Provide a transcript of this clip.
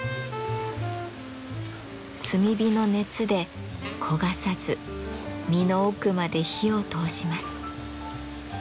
炭火の熱で焦がさず身の奥まで火を通します。